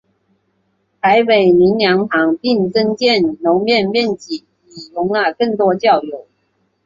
台北灵粮堂并增建楼面面积以容纳更多教友。